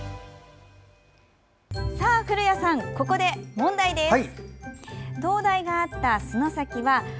古谷さん、ここで問題です！